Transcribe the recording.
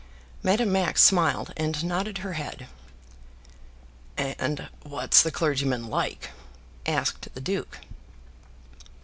Madame Max smiled and nodded her head. "And what's the clergyman like?" asked the duke.